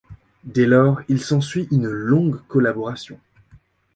Dès lors, il s'ensuit une longue collaboration.